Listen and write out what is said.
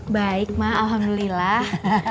baik ma alhamdulillah